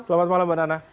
selamat malam mbak nana